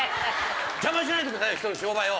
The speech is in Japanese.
邪魔しないでください人の商売を！